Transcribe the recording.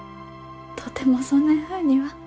とてもそねんふうには。